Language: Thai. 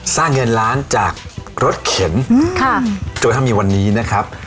สร้างเงินล้านจากรถเข็นค่ะโจทย์ธรรมีวันนี้นะครับ